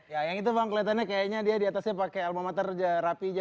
yang itu bang keliatannya kayaknya dia diatasnya pakai almamater rapi saja